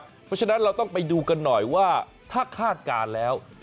เพราะฉะนั้นเราต้องไปดูกันหน่อยว่าถ้าคาดการณ์แล้ว